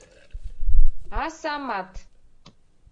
Асамат!